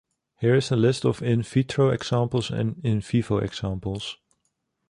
Here is a list of in vitro examples and in vivo examples.